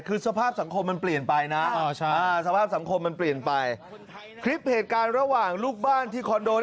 คือสภาพสังคมมันเปลี่ยนไปนะสภาพสังคมมันเปลี่ยนไปคลิปเหตุการณ์ระหว่างลูกบ้านที่คอนโด